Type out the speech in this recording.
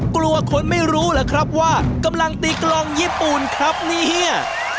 กลัวคนไม่รู้เหรอครับว่ากำลังตีกลองญี่ปุ่นครับเนี่ย